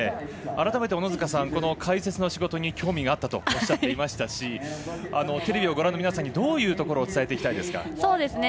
改めて、小野塚さん解説の仕事に興味があったとおっしゃっていましたしテレビをご覧の皆さんにどういうところを伝えていきたいですか。